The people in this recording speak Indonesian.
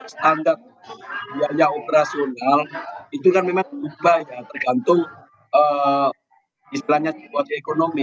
standar biaya operasional itu kan memang berubah ya tergantung istilahnya situasi ekonomi